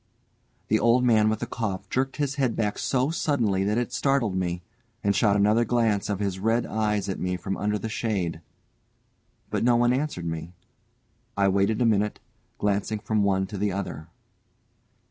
The old man with the cough jerked his head back so suddenly that it startled me, and shot another glance of his red eyes at me from under the shade; but no one answered me. I waited a minute, glancing from one to the other.